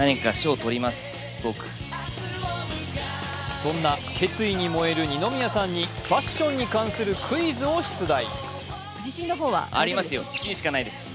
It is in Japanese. そんな決意に燃える二宮さんにファッションに関するクイズを出題。